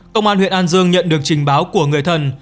công an huyện an dương nhận được trình báo của người thân